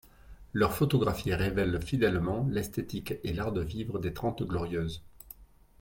Leurs photographies révèlent fidèlement l'esthétique et l'art de vivre des Trente Glorieuses.